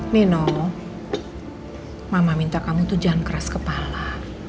nino mama minta kamu tuh jangan keras kepala